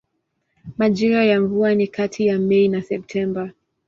Majira ya mvua ni kati ya Mei na Septemba.